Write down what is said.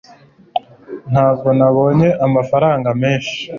ntabwo nabonye amafaranga menshi